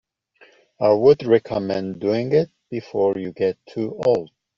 I would recommend doing it before you get too old.